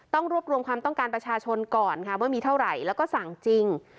ต้องรวบรวมความต้องการประชาชนก่อนค่ะว่ามีเท่าไหร่แล้วก็สั่งจริง